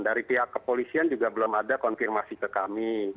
dari pihak kepolisian juga belum ada konfirmasi ke kami